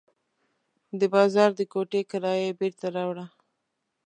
د بازار د کوټې کرایه یې بېرته راوړه.